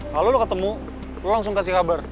lalu lo ketemu lo langsung kasih kabar